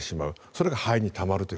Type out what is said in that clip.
それが肺にたまると。